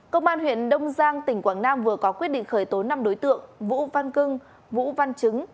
công an huyện đông giang tỉnh quảng nam vừa có quyết định khởi tố năm đối tượng vũ văn cưng vũ văn chứng